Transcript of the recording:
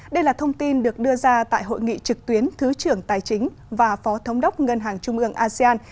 đây là thông tin được đưa ra tại hội nghị trực tuyến thứ trưởng tài chính và phó thống đốc ngân hàng trung ương asean